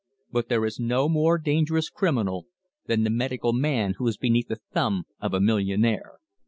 "But there is no more dangerous criminal than the medical man who is beneath the thumb of a millionaire.